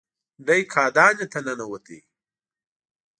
دی کاهدانې ته ننوت.